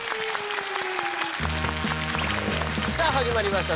さあ始まりました